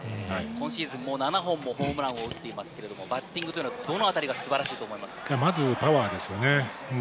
今シーズン、もう７本もホームランを打っていますけれども、バッティングというのはどのあたまず、パワーですよね。